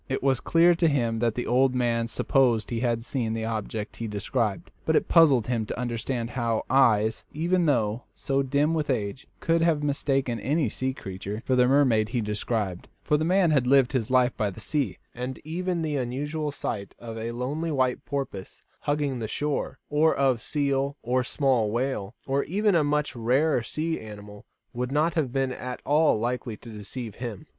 It was clear to him that the old man supposed he had seen the object he described, but it puzzled him to understand how eyes, even though so dim with age, could have mistaken any sea creature for the mermaid he described; for the man had lived his life by the sea, and even the unusual sight of a lonely white porpoise hugging the shore, or of seal or small whale, or even a much rarer sea animal, would not have been at all likely to deceive him.